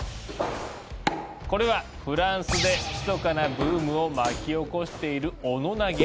これはフランスでひそかなブームを巻き起こしている「オノ投げ」。